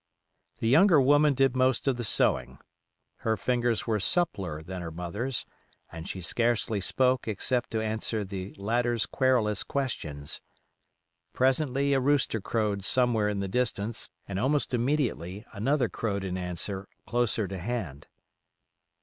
The younger woman did most of the sewing. Her fingers were suppler than her mother's, and she scarcely spoke except to answer the latter's querulous questions. Presently a rooster crowed somewhere in the distance, and almost immediately another crowed in answer closer at hand.